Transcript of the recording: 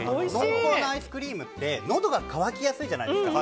濃厚なアイスクリームって喉がかわきやすいじゃないですか。